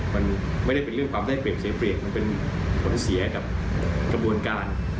มันไม่ได้เป็นเรื่องความได้เปรียบเสียเปรียบมันเป็นผลเสียกับกระบวนการ